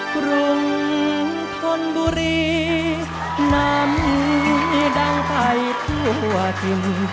กรุงธนบุรีนำดังไปทั่วถิ่น